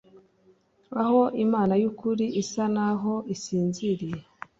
Aho Imana yukuri isa naho isinziriye